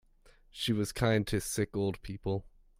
She was kind to sick old people.